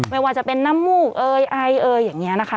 ไม่ว่าจะเป็นน้ำมูกเอยไอเอยอย่างนี้นะคะ